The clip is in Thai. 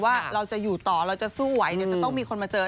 ว่าเราจะอยู่ต่อเราจะสู้ไหวเดี๋ยวจะต้องมีคนมาเจอ